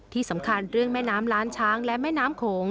ที่สำคัญเรื่องแม่น้ำล้านช้างและแม่น้ำโขง